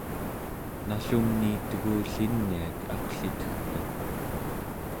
nallumni tegulliniak aqlitegka